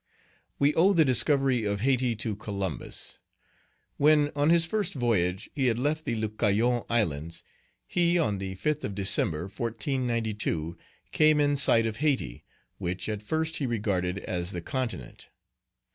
WE owe the discovery of Hayti to Columbus. When, on his first voyage, he had left the Leucayan Islands, he, on the fifth of December, 1492, came in sight of Hayti, which at first he regarded as the continent.